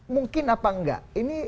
mungkin apa enggak